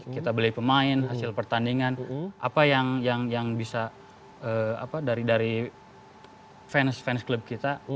kita beli pemain hasil pertandingan apa yang bisa dari fans fans klub kita